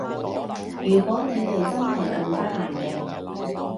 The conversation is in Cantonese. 如果你哋真係咁得閒嘅